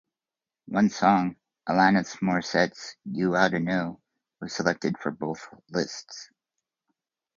One song, Alanis Morissette's "You Oughta Know", was selected for both lists.